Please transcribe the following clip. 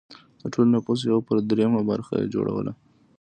د ټول نفوس یو پر درېیمه برخه یې جوړوله.